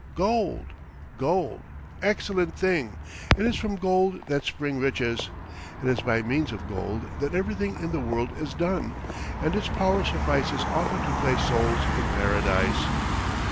"Gold! gold! excellent thing! It is from gold that spring riches! it is by means of gold that everything in the world is done, and its power suffices often to place souls in Paradise."